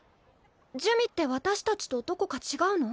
珠魅って私たちとどこか違うの？